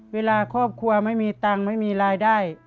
เวลาครอบครัวไม่มีตังค์ไม่มีรายได้